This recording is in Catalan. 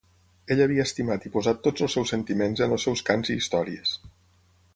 Ell havia estimat i posat tots els seus sentiments en els seus cants i històries.